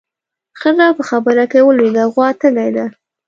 ښځه په خبره کې ورولوېده: غوا تږې ده.